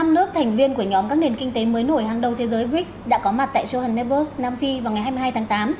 năm nước thành viên của nhóm các nền kinh tế mới nổi hàng đầu thế giới brics đã có mặt tại johannesburg nam phi vào ngày hai mươi hai tháng tám